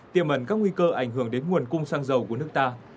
tiềm ẩn các nguy cơ ảnh hưởng đến nguồn cung xăng dầu của nước ta